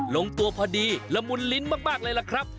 ลงตัวพอดีละมุนลิ้นมากเลยล่ะครับ